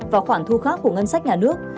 và khoản thu khác của ngân sách nhà nước